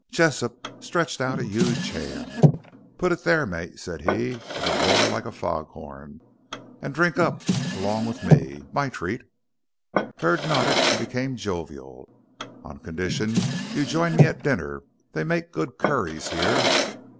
Jessop stretched out a huge hand. "Put it there, mate," said he, with a roar like a fog horn, "and drink up along o' me. My treat." Hurd nodded and became jovial. "On condition you join me at dinner. They make good curries here."